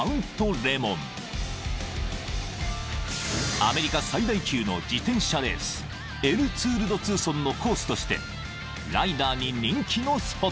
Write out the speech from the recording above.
［アメリカ最大級の自転車レースエル・ツール・ド・ツーソンのコースとしてライダーに人気のスポット］